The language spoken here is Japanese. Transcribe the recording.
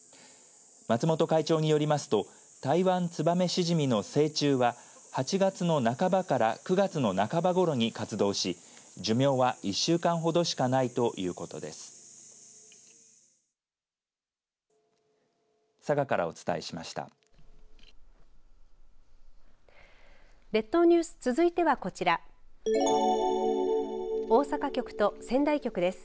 松本会長によりますとタイワンツバメシジミの成虫は、８月の半ばから９月の半ばごろに活動し、寿命は１週間ほどしかないということです。